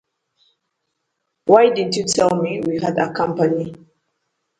Why didn't you tell me we had company?